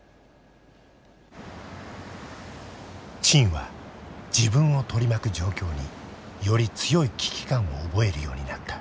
陳は自分を取り巻く状況により強い危機感を覚えるようになった。